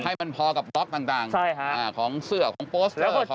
ให้มันพอกับบล็อคต่างของเสื้อของโปสเตอร์ของอะไรก็ได้